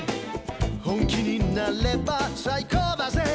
「本気になれば最高だぜ」